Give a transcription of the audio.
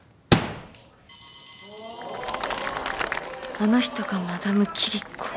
あの人がマダムキリコ